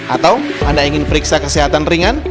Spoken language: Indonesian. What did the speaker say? atau anda ingin periksa kesehatan ringan